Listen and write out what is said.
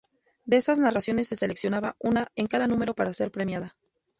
De esas narraciones se seleccionaba una en cada número para ser premiada.